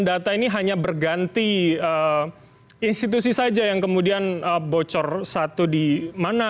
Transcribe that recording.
data ini hanya berganti institusi saja yang kemudian bocor satu di mana